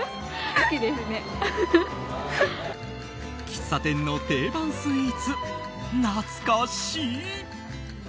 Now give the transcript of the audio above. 喫茶店の定番スイーツ懐かしい！